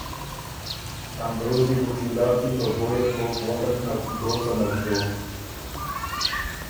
انګرېز يې بُو قلعه کی په بویه کوک وتک نک دوڅنه بو دوک